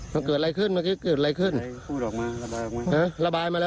น้องอย่าทำอย่าทำ